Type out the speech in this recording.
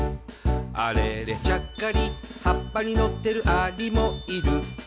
「あれれちゃっかり葉っぱにのってるアリもいる」